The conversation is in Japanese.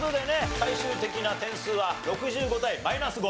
最終的な点数は６５対マイナス５。